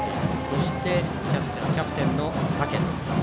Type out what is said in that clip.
そして、キャッチャーはキャプテンの竹野。